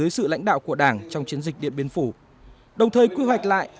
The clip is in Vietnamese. sự lãnh đạo của đảng trong chiến dịch điện biên phủ đồng thời quy hoạch lại